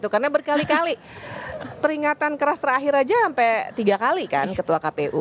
karena berkali kali peringatan keras terakhir aja sampai tiga kali kan ketua kpu